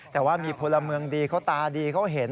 แต่ว่ามีพลเมืองดีเขาตาดีเขาเห็น